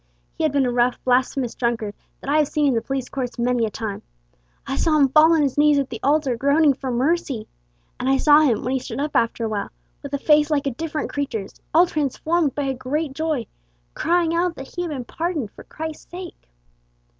He had been a rough, blasphemous drunkard that I have seen in the police courts many a time. I saw him fall on his knees at the altar, groaning for mercy, and I saw him, when he stood up after a while, with a face like a different creature's, all transformed by a great joy, crying out that he had been pardoned for Christ's sake.